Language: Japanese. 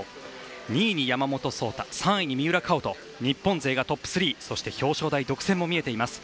２位に山本草太３位に三浦佳生と日本勢がトップ３表彰台独占も見えています。